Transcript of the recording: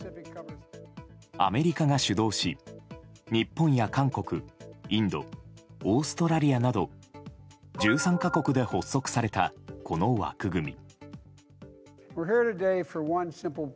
アメリカが主導し日本や韓国、インドオーストラリアなど１３か国で発足されたこの枠組み。